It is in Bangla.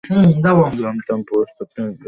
জানতাম প্রস্তুত থাকবি না।